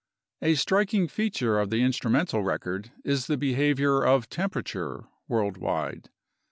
A striking feature of the instrumental record is the behavior of tem perature worldwide.